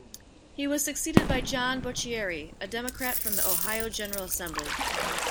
He was succeeded by John Boccieri, a Democrat from the Ohio General Assembly.